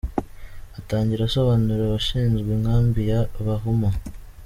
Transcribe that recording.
Atangira asobanura abashinzwe inkambi ya Bahuma.